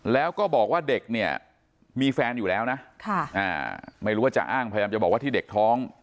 แล้วก็บอกว่าเด็กเนี่ยมีแฟนอยู่แล้วนะไม่รู้ว่าจะอ้างพยายามจะบอกว่าที่เด็กท้อง